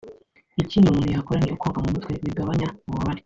Ikindi umuntu yakora ni ukoga mu mutwe bikagabanya ububabare